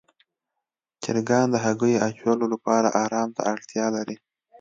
چرګان د هګیو اچولو لپاره آرام ته اړتیا لري.